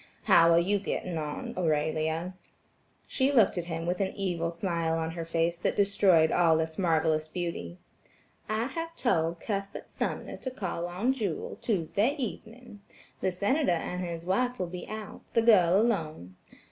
How are you getting on, Aurelia?" She looked at him with an evil smile on her face that destroyed all its marvelous beauty: "I have told Cuthbert Sumner to call on Jewel, Tuesday evening. The Senator and his wife will be out, the girl alone.